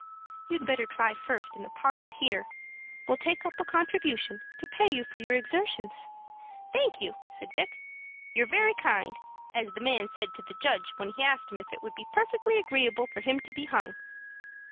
"You'd better try first in the parlor here. We'll take up a contribution, to pay you for your exertions." "Thank you," said Dick. "You're very kind, as the man said to the judge when he asked him when it would be perfectly agreeable for him to be hung."